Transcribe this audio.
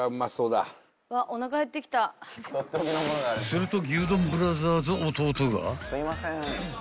［すると］